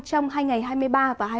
trong hai ngày hai mươi ba và hai mươi